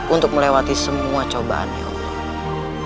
untuk melewati semua cobaan ya allah